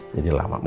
jadi lama banget ya